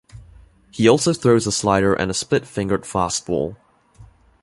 He also throws a slider and a split-fingered fastball.